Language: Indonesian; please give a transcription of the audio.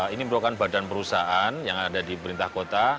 ini merupakan badan perusahaan yang ada di perintah kota